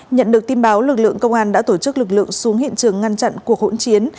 nhận được tin báo lực lượng công an đã tổ chức lực lượng xuống hiện trường ngăn chặn cuộc hỗn chiến